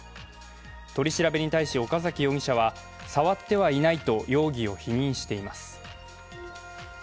取り調べに対し岡崎容疑者は触ってはいないと容疑を否認しています。